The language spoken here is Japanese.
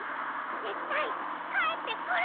ぜったいかえってくる！